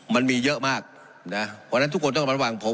มันมีเยอะมากนะเพราะฉะนั้นทุกคนต้องระวังผม